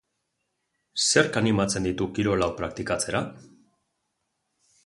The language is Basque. Zerk animatzen ditu kirol hau praktikatzera?